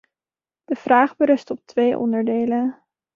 De vraag berust op twee onderdelen.